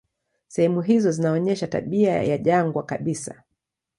Sehemu hizo zinaonyesha tabia ya jangwa kabisa.